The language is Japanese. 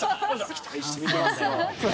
期待して見てますよ。